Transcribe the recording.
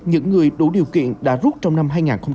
những người đủ điều kiện đã rút trong năm hai nghìn hai mươi